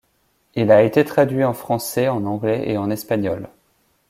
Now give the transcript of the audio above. Il a été traduit en français, en anglais et en espagnol.